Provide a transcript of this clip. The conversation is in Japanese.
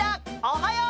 おはよう！